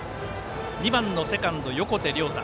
２番のセカンド、横手亮汰。